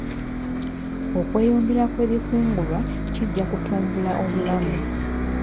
Okweyongera kw'ebikungulwa kijja kutumbula obulamu.